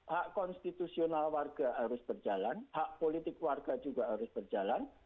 hak konstitusional warga harus berjalan hak politik warga juga harus berjalan